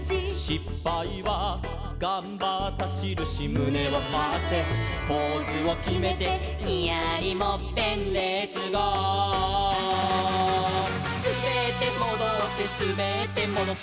「しっぱいはがんばったしるし」「むねをはってポーズをきめて」「ニヤリもっぺんレッツゴー！」「すべってもどってすべってもどって」